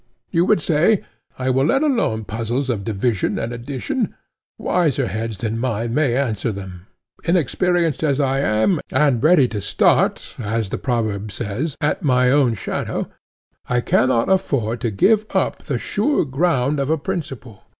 You would say: I will let alone puzzles of division and addition—wiser heads than mine may answer them; inexperienced as I am, and ready to start, as the proverb says, at my own shadow, I cannot afford to give up the sure ground of a principle.